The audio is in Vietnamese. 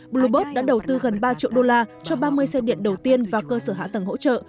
bloobird đã đầu tư gần ba triệu đô la cho ba mươi xe điện đầu tiên vào cơ sở hạ tầng hỗ trợ